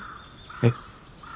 えっ？